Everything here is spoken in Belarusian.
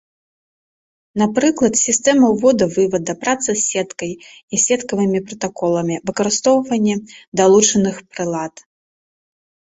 Напрыклад сістэмы ўвода-вывада, праца з сеткай і сеткавымі пратаколамі, выкарыстоўванне далучаных прылад.